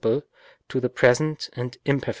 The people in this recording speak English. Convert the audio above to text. to the pres. and imperf.